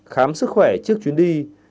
khám sức khỏe trước chuyến đi